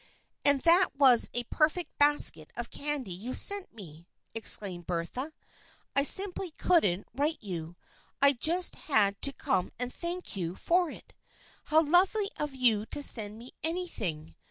" And that was a perfect basket of candy you sent me !" exclaimed Bertha. " I simply couldn't write to you. I just had to come and thank you for it. How lovely of you to send me anything